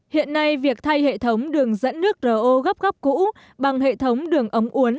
hiện nay việc thay hệ thống đường dẫn nước ro gấp góc cũ bằng hệ thống đường ống uốn